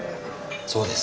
そうです。